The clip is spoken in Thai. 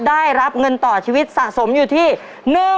ได้รับเงินต่อชีวิตสะสมอยู่ที่